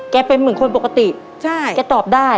เป็นเหมือนคนปกติใช่แกตอบได้